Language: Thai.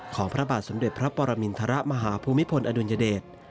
พระบาทสมเด็จพระปรมินทรมาฮภูมิพลอดุลยเดช